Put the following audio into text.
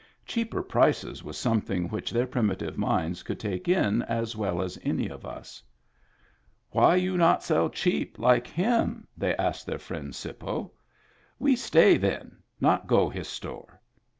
Cheaper prices was something which their primitive minds could take in as well as any of us. "Why you not sell cheap like him?" they asked their friend "Sippo." "We stay then. Not go his store."